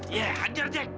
iya ajar jack